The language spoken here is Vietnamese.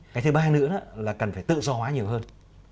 cái thứ ba nữa là cần phải tự do hóa nhiều hơn